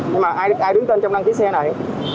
nhưng mà ai đứng tên trong đăng ký xe này